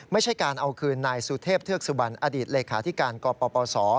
ไม่ใช่การเอาคืนนายสุเทพเทือกสุบันอดีตเลขาธิการกปศ